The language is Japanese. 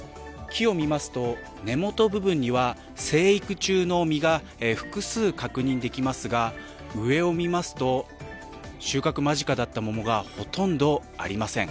木を見ますと根元部分には生育中の実が複数確認できますが上を見ますと、収穫間近だった桃がほとんどありません。